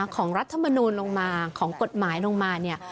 ของรัฐบาลนูนลงมาของกฎหมายลงมาเนี่ย